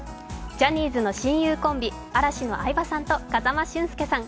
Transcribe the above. ジャニーズの親友コンビ嵐の相葉さんと風間俊介さん。